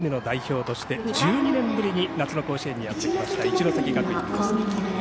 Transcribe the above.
岩手５９チームの代表として１２年ぶりに夏の甲子園にやってきました一関学院です。